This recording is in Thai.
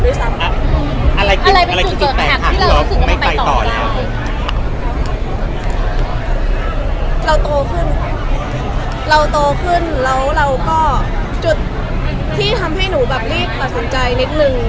เราโตขึ้นเราโตขึ้นแล้วเราก็จุดที่ทำให้หนูแบบรีบประสงค์ใจนิดนึง